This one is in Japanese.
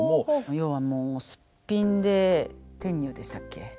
要はもうすっぴんで天女でしたっけ。